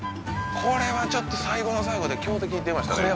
これはちょっと最後の最後で強敵出ましたね